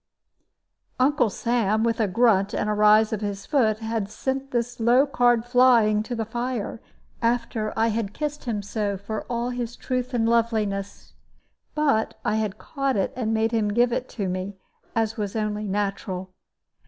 Uncle Sam, with a grunt and a rise of his foot, had sent this low card flying to the fire, after I had kissed him so for all his truth and loveliness; but I had caught it and made him give it to me, as was only natural.